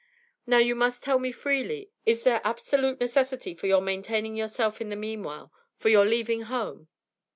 Now you must tell me freely is there absolute necessity for your maintaining yourself in the meanwhile, for your leaving home?'